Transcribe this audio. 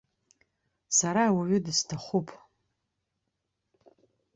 Сара ауаҩы дысҭахуп.